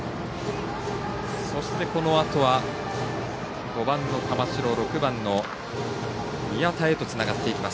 そして、このあとは５番の玉城、６番の宮田へとつながっていきます。